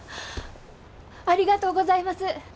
ありがとうございます！